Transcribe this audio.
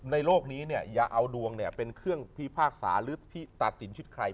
โลกนี้เนี่ยอย่าเอาดวงเป็นเครื่องพิพากษาหรือตัดสินชุดใคร